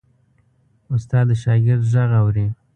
استاد د شاګرد غږ اوري.